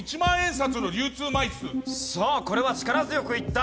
さあこれは力強くいった。